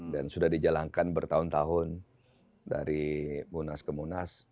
dan sudah dijalankan bertahun tahun dari munas ke munas